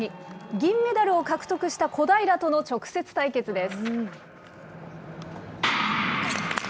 銀メダルを獲得した小平との直接対決です。